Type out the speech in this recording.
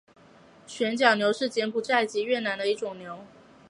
旋角牛是柬埔寨及越南的一种牛。